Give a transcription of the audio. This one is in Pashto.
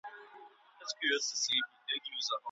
رباب په خوله نه ږغول کېږي.